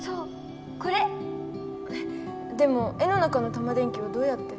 えっでも絵の中のタマ電Ｑをどうやって？